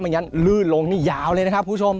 อย่างนั้นลื่นลงนี่ยาวเลยนะครับคุณผู้ชม